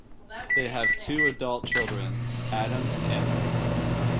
They have two adult children, Adam and Andrew.